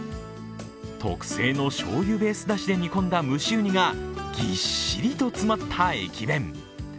特製のしょうゆベースだしで煮込んだ蒸しうにがぎっしりと詰まった駅弁。